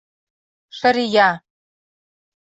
— Шырия.